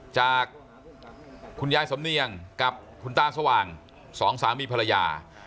จากคุณยายสำเนียงกับคุณตาสว่างสองสามีภรรยา